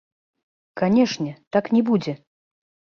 Канешне, так не будзе.